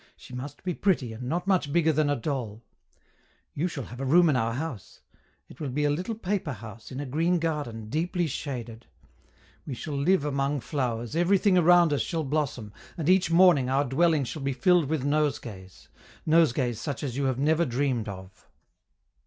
She must be pretty and not much bigger than a doll. You shall have a room in our house. It will be a little paper house, in a green garden, deeply shaded. We shall live among flowers, everything around us shall blossom, and each morning our dwelling shall be filled with nosegays nosegays such as you have never dreamed of."